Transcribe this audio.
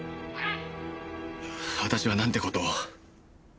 私はなんて事を。